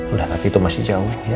udah waktu itu masih jauh